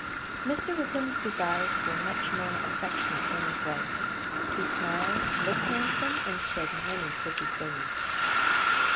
Mr. Wickham's adieus were much more affectionate than his wife's. He smiled, looked handsome, and said many pretty things.